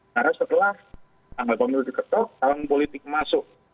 karena setelah tanggal pemilu diketuk tahun politik masuk